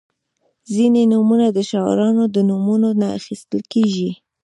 • ځینې نومونه د شاعرانو د نومونو نه اخیستل کیږي.